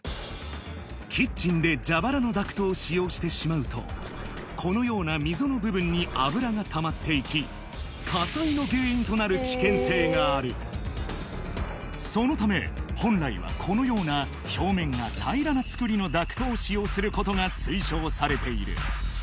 キッチンで蛇腹のダクトを使用してしまうとこのような溝の部分に油がたまっていき火災の原因となる危険性があるそのため本来はこのような表面が平らな造りのダクトを使用することが推奨されている